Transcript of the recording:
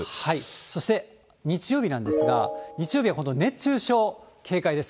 そして日曜日なんですが、日曜日は今度熱中症警戒です。